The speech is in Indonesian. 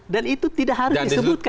dan itu tidak harus disebutkan